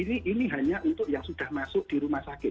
ini hanya untuk yang sudah masuk di rumah sakit